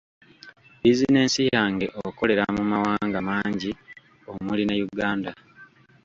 Bizinensi yange okolera mu mawanga mangi omuli ne Uganda.